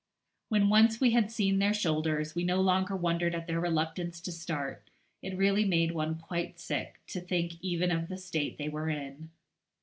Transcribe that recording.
When once we had seen their shoulders, we no longer wondered at their reluctance to start; it really made one quite sick to think even of the state they were in.